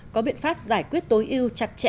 có biện pháp giải quyết tối ưu